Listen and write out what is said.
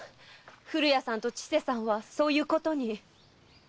古谷さんと千世さんはそういうことに。